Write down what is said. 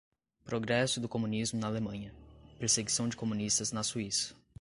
Progresso do Comunismo na Alemanha - Perseguição de Comunistas na Suíça